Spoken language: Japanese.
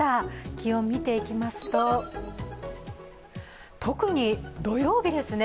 気温見ていきますと、特に土曜日ですね